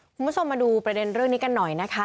คุณผู้ชมมาดูประเด็นเรื่องนี้กันหน่อยนะคะ